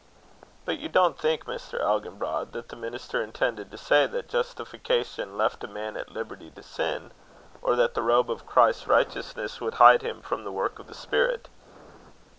"But you don't think, Mr. Elginbrod, that the minister intended to say that justification left a man at liberty to sin, or that the robe of Christ's righteousness would hide him from the work of the Spirit?"